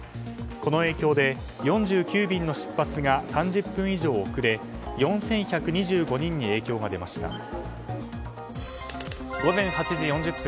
この影響で４９便の出発が３０分以上遅れ４１２５人に影響が出ました。